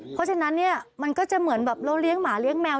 เพราะฉะนั้นเนี่ยมันก็จะเหมือนแบบเราเลี้ยงหมาเลี้ยแมว